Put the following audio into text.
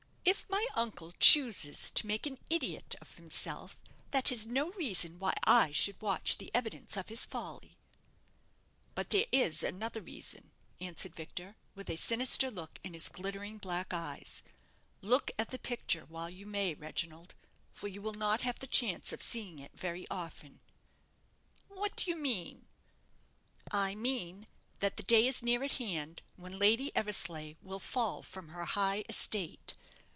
"If my uncle chooses to make an idiot of himself, that is no reason why I should watch the evidence of his folly!" "But there is another reason," answered Victor, with a sinister look in his glittering black eyes. "Look at the picture while you may, Reginald, for you will not have the chance of seeing it very often." "What do you mean?" "I mean that the day is near at hand when Lady Eversleigh will fall from her high estate.